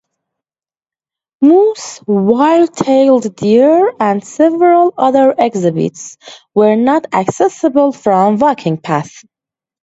Moose, white-tailed deer and several other exhibits were not accessible from walking paths.